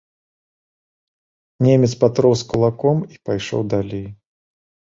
Немец патрос кулаком і пайшоў далей.